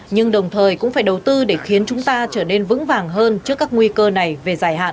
nhưng đồng thời cũng phải đầu tư để khiến chúng ta trở nên vững vàng hơn trước các nguy cơ này về dài hạn